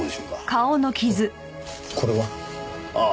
おいこれは？ああ。